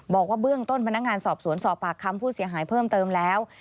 บอกว่าเบื้องต้นพนักงานสอบสวนสอบปากคำผู้เสียหายเพิ่มเติมแล้ว